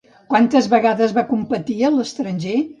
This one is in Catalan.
Quantes vegades va competir a l'estranger?